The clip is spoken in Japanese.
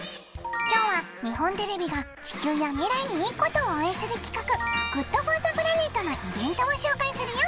今日は日本テレビが「地球や未来にいいこと」を応援する企画「ＧｏｏｄＦｏｒｔｈｅＰｌａｎｅｔ」のイベントを紹介するよ。